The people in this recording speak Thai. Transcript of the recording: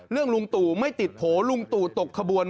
ลุงตู่ไม่ติดโผล่ลุงตู่ตกขบวน